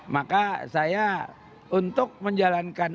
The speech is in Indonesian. maka saya untuk menjalankan